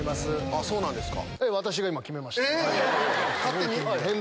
あっそうですか。